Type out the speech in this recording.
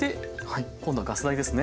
今度はガス台ですね。